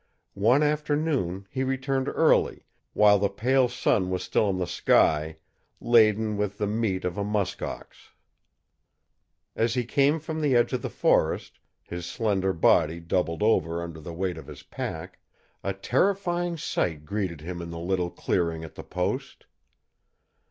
One afternoon, he returned early, while the pale sun was still in the sky, laden with the meat of a musk ox. As he came from the edge of the forest, his slender body doubled over under the weight of his pack, a terrifying sight greeted him in the little clearing at the post.